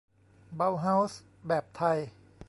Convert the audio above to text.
เบาเฮาส์แบบไทย